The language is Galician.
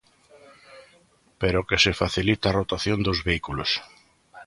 Pero que se facilite a rotación dos vehículos.